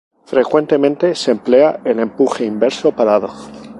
Frecuentemente se emplea el "empuje inverso parado".